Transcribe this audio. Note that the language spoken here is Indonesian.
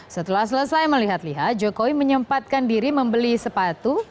setelah selesai melihat lihat jokowi menyempatkan diri membeli sepatu